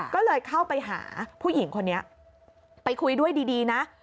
ก็เลยเข้าไปหาผู้หญิงคนนี้ไปคุยด้วยดีนะ